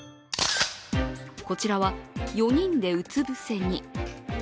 こちらは、４人でうつ伏せに。